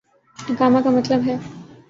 اقامہ کا مطلب ہے۔